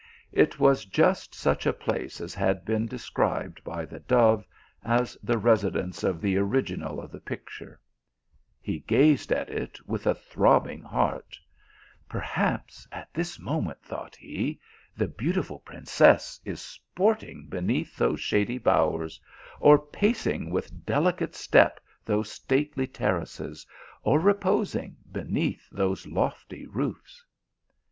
It was just such a place as had been described by the dove as the residence of the original of the picture. 310 THE ALHAMBRA. He g az ed at it with a throbbing heart :" Perhaps at this moment," thought he, "the beautiful prin cess is sporting beneath those shady bovvers, or pacing with delicate step those stately terraces, or reposing beneath those lofty roofs